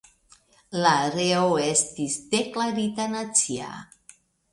La areo estis deklarita nacia.